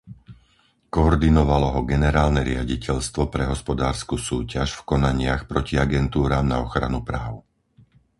Koordinovalo ho Generálne riaditeľstvo pre hospodársku súťaž v konaniach proti agentúram na ochranu práv.